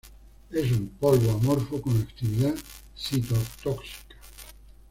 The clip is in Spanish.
Es un polvo amorfo con actividad citotóxica.